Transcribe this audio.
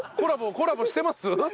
コラボしてます？